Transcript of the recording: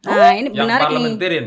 oh yang parlementarian